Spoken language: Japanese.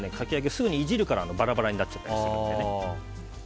すぐにいじるからバラバラになっちゃうので。